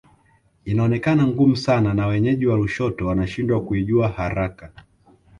Inaonekana ngumu sana na wenyeji wa Lushoto wanashindwa kuijua haraka